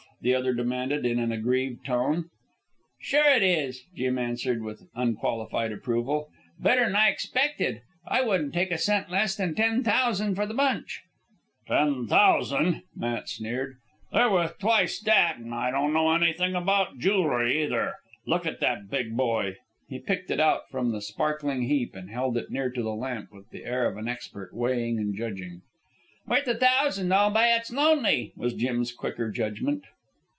the other demanded in an aggrieved tone. "Sure it is," Jim answered with unqualified approval. "Better'n I expected. I wouldn't take a cent less than ten thousan' for the bunch." "Ten thousan'," Matt sneered. "They're worth twic't that, an' I don't know anything about joolery, either. Look at that big boy!" He picked it out from the sparkling heap and held it near to the lamp with the air of an expert, weighing and judging. "Worth a thousan' all by its lonely," was Jim's quicker judgment.